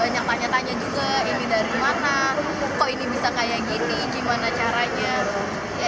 banyak tanya tanya juga ini dari mana kok ini bisa kayak gini gimana caranya